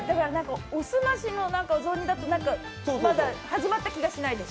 おすましのお雑煮だとまだ始まった気がしないです。